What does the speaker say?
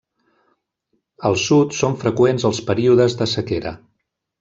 Al sud són freqüents els períodes de sequera.